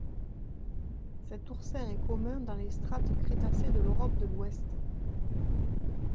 Cet oursin est commun dans les strates crétacées de l'Europe de l'Ouest.